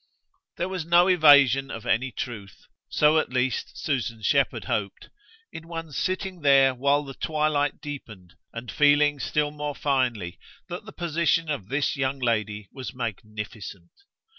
There was no evasion of any truth so at least Susan Shepherd hoped in one's sitting there while the twilight deepened and feeling still more finely that the position of this young lady was magnificent.